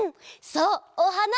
そうおはな！